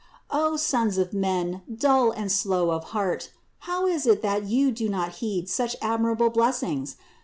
338. O sons of men, dull and slow of heart ! How is it that you do not heed such admirable blessings